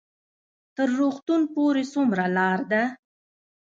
تر روغتون پورې څومره لار ده؟